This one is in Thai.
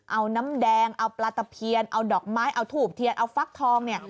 เอาน้ำแดงเอาปลาตะเพียนเอาดอกไม้เอาถูบเทียนเอาฟักทองเนี่ย